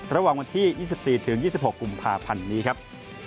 ระหว่างวันที่๒๔ถึง๒๖กุมภาพันธ์นี้ครับ